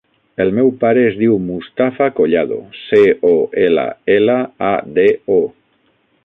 El meu pare es diu Mustafa Collado: ce, o, ela, ela, a, de, o.